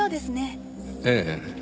ええ。